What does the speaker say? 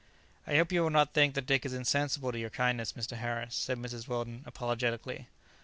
"I hope you will not think that Dick is insensible to your kindness, Mr. Harris," said Mrs. Weldon, apologetically.